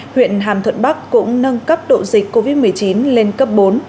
huyện hàm thuận bắc cũng nâng cấp độ dịch covid một mươi chín lên cấp bốn